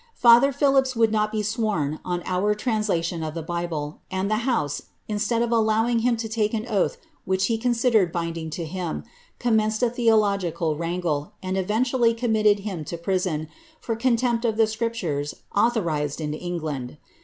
Father Phillipps would not be sworn on our translation of the Bible, and the house, instead of allowing him to take an oath which he considered binding to him, commenced a theological wranglSf and eventually committed him to prison for contempt of the scriptores ^^ authorized in England."